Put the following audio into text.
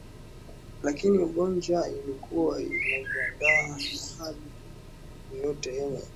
lakini Uganda ilikuwa inajiandaa na hali yoyote yenye itakayojitokeza ikiwa na mpango